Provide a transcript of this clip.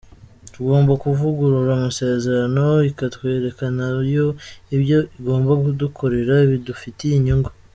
Tugomba kuvugurura amasezerano, ikatwereka na yo ibyo igomba kudukorera bidufitiye inyungu.